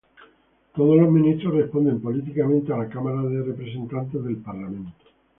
Todos los ministros responden políticamente a la Cámara de Representantes del Parlamento.